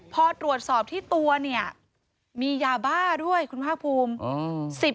พอตรวจสอบที่ตัวเนี่ยมียาบ้าด้วยคุณภาคภูมิ